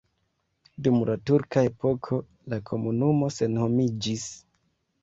Dum la turka epoko la komunumo senhomiĝis.